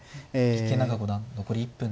池永五段残り１分です。